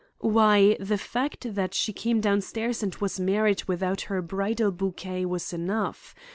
Why, the fact that she came downstairs and was married without her bridal bouquet was enough.